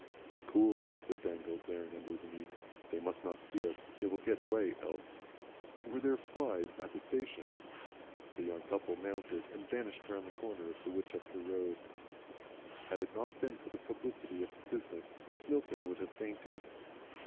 "Be cool!" said Dangle, glaring under the meat. "They must not see us. They will get away else. Were there flys at the station?" The young couple mounted and vanished round the corner of the Winchester road. Had it not been for the publicity of the business, Mrs. Milton would have fainted.